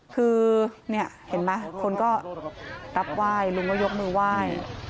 คือเนี่ยเห็นไหมคนก็รับไหว้ลุงก็ยกมือไหว้